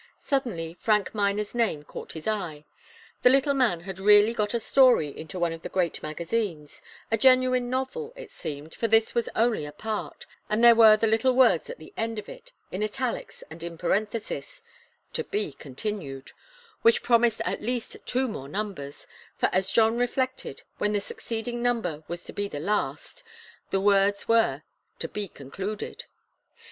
Suddenly Frank Miner's name caught his eye. The little man had really got a story into one of the great magazines, a genuine novel, it seemed, for this was only a part, and there were the little words at the end of it, in italics and in parenthesis, 'to be continued,' which promised at least two more numbers, for as John reflected, when the succeeding number was to be the last, the words were 'to be concluded.